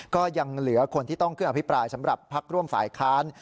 ก็ยังเหลือคนที่ต้องขึ้นอภิปรายสำหรับพักร่วมฝ่ายค้าน